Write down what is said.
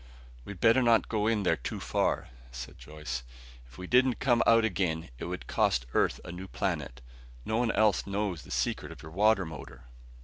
"We'd better not go in there too far," said Joyce. "If we didn't come out again it would cost Earth a new planet. No one else knows the secret of your water motor."